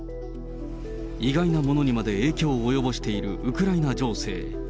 意外なものにまで影響を及ぼしているウクライナ情勢。